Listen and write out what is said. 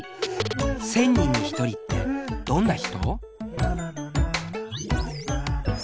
１０００人に１人ってどんな人？